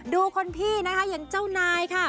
ดูคนพี่นะคะอย่างเจ้านายค่ะ